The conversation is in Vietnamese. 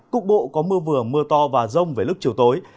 cục bộ có mưa vừa mưa to và rông về lúc chiều tối